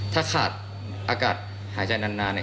ถ้าขาดอากาศหายใจนาน